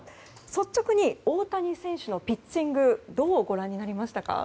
率直に大谷選手のピッチングをどうご覧になりましたか。